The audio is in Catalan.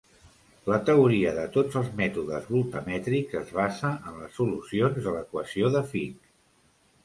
La teoria de tots els mètodes voltamètrics es basa en les solucions de l'equació de Fick.